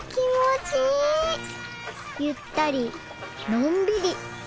・ゆったりのんびり。